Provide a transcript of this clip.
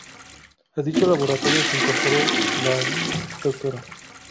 A dicho laboratorio se incorporó la Dra.